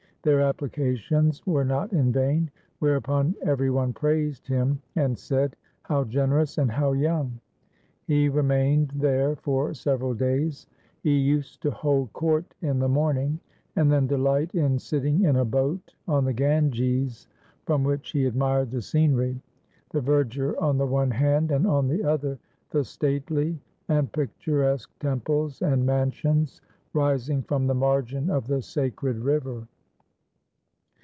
Their applications were not in vain. Whereupon every one praised him and said :' How generous and how young !' He remained there for several days. He used to hold court in the morning and then delight in sitting in a boat on the Ganges, from which he 366 THE SIKH RELIGION admired the scenery, the verdure on the one hand, and on the other the stately and picturesque temples and mansions rising from the margin of the sacred river.